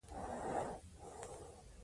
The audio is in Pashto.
تاسو باید اور بل کړئ.